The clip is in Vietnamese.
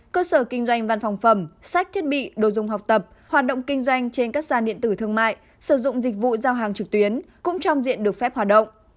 cơ sở kinh doanh văn phòng phẩm sách thiết bị đồ dùng học tập hoạt động kinh doanh trên các sàn điện tử thương mại sử dụng dịch vụ giao hàng trực tuyến cũng trong diện được phép hoạt động